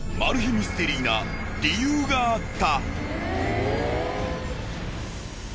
ミステリーな理由があった。